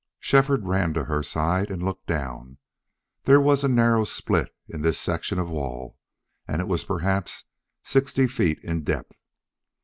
Shefford ran to her side and looked down. There was a narrow split in this section of wall and it was perhaps sixty feet in depth.